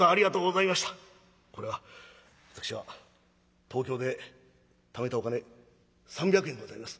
これは私が東京でためたお金３００円ございます。